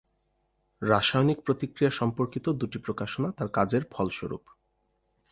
রাসায়নিক প্রতিক্রিয়া সম্পর্কিত দুটি প্রকাশনা তার কাজের ফলস্বরূপ।